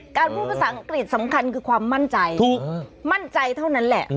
พูดภาษาอังกฤษสำคัญคือความมั่นใจถูกมั่นใจเท่านั้นแหละ